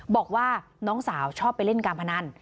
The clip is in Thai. บอกว่าน้องสาวชอบไปเล่นการพนัน